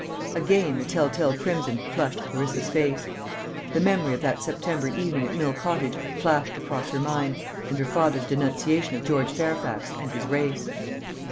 Again the tell tale crimson flushed Clarissa's face. The memory of that September evening at Mill Cottage flashed across her mind, and her father's denunciation of George Fairfax and his race.